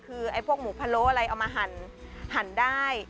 คือไอ้พวกหมูพะโล้อะไรเอามาหั่นได้